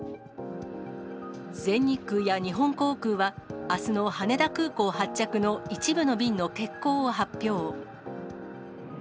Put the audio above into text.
全日空や日本航空は、あすの羽田空港発着の一部の便の欠航を発表。